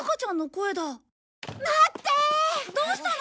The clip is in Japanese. どうしたの？